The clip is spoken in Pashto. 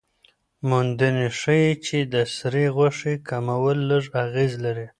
موندنې ښيي چې د سرې غوښې کمول لږ اغېز لري.